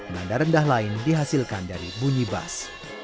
nada rendah lain dihasilkan dari bunyi bas